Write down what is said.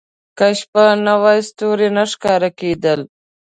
• که شپه نه وای، ستوري نه ښکاره کېدل.